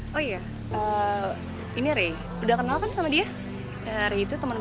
karena kalau dia juga saling menang